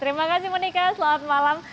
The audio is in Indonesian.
terima kasih monika selamat malam